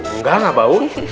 enggak gak bau